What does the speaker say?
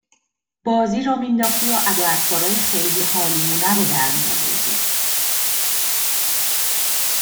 بازی راه می انداختی و ادا اطوارای خیلی حالیمونه رو در می آوردی